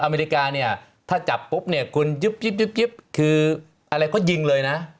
อเมริกาถ้าจับปุ๊บคืออะไรก็ยิงเลยนะ